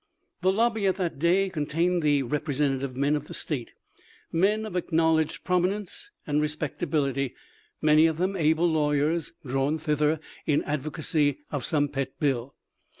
The lobby at thcrt day con tained the representative men of the state — men of acknowledged prominence and respectability, many of them able lawyers, drawn thither in advocacy of some pet bill.